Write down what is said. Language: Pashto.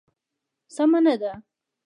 سمه نه ده.